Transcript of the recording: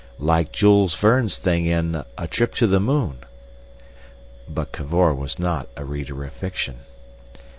"Like Jules Verne's thing in A Trip to the Moon." But Cavor was not a reader of fiction.